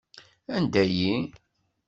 Anda-yi?